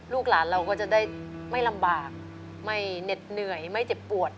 ลูกหลานเราก็จะได้ไม่ลำบากไม่เหน็ดเหนื่อยไม่เจ็บปวด